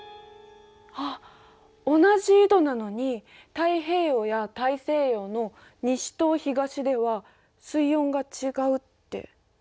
あっ同じ緯度なのに太平洋や大西洋の西と東では水温が違うって。